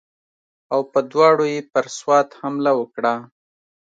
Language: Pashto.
او په دواړو یې پر سوات حمله وکړه.